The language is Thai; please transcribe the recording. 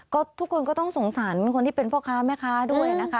ก็ทุกคนก็ต้องสงสารคนที่เป็นพ่อค้าแม่ค้าด้วยนะคะ